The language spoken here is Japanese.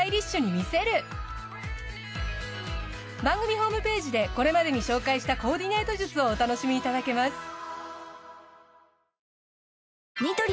番組ホームページでこれまでに紹介したコーディネート術をお楽しみいただけます。